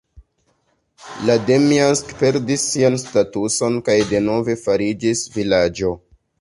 La Demjansk perdis sian statuson kaj denove fariĝis vilaĝo.